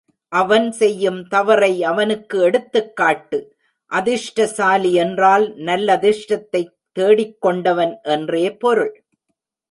அவன் செய்யும் தவறை அவனுக்கு எடுத்துக் காட்டு. அதிர்ஷ்டசாலி என்றால் நல்லதிர்ஷ்டத்தைத் தேடிக்கொண்டவன் என்றே பொருள்.